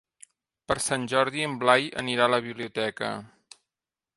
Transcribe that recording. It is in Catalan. Per Sant Jordi en Blai anirà a la biblioteca.